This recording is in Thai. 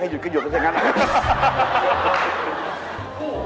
ข้าคือใครเหนะครับงั้นไม่ชอบ